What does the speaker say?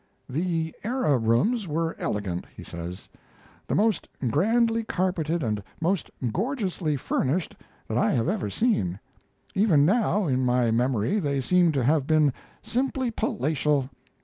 The Era rooms were elegant [he says] the most grandly carpeted and most gorgeously furnished that I have ever seen. Even now in my memory they seem to have been simply palatial.